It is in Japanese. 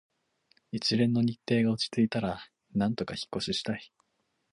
一連の日程が落ち着いたら、なんとか引っ越ししたい